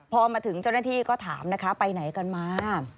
พอมาถึงเจ้าหน้าที่ก็ถามนะคะไปไหนกันมา